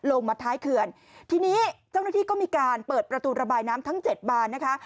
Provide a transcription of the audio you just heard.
ลงมาท้ายเขื่อนทีนี้เจ้าหน้าที่ก็มีการเปิดประตูระบายน้ำทั้งเจ็ดบานนะคะ